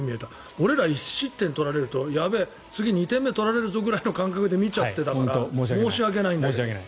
俺ら１失点取られるとやべえ、次も１点取られるぞぐらいの感覚で見ていたから申し訳ないんだけど。